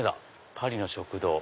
「パリの食堂」。